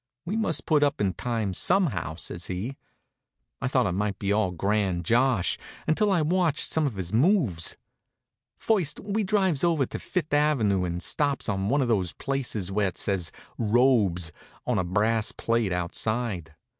"We must put in the time somehow," says he. I thought it might be all a grand josh, until I'd watched some of his moves. First we drives over to Fift' avenue and stops at one of those places where it says "Robes" on a brass plate outside.